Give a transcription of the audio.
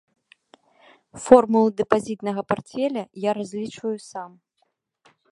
Формулу дэпазітнага партфеля я разлічваю сам.